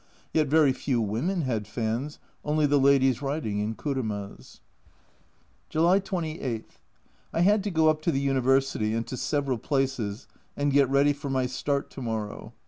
Yet very few women had fans, only the ladies riding in kurumas. July 28. I had to go up to the University and to several places and get ready for my start to morrow.